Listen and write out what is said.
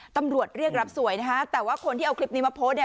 ตำรวจเรียกรับสวยนะคะแต่ว่าคนที่เอาคลิปนี้มาโพสต์เนี่ย